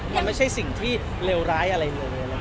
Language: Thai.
มันไม่ใช่สิ่งที่เลวร้ายอะไรเหลวยังแบบนี้